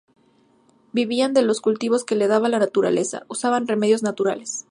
Vivian de los cultivos que le daba la naturaleza. Usaban remedios naturales.